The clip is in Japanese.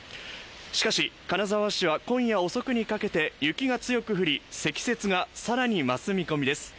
しかし、金沢市は今夜遅くにかけて雪が強く降り、積雪が更に増す見込みです。